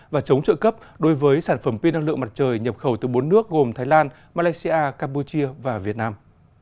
và chống trợ cấp đối với sản phẩm pin năng lượng mặt trời nhập khẩu từ bốn nước gồm thái lan malaysia campuchia và việt nam